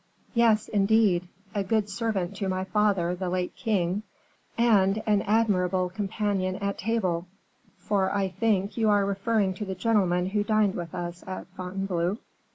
"Yes, indeed; a good servant to my father, the late king, and an admirable companion at table; for, I think, you are referring to the gentleman who dined with us at Fontainebleau?"